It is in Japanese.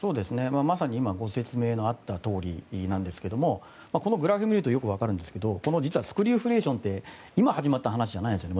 まさに今ご説明があったとおりなんですがこのグラフを見るとよくわかるんですけど実はスクリューフレーションって今始まった話じゃないんです。